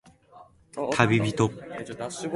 たびびと